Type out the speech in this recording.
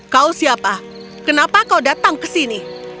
kau siapa kenapa kau datang ke sini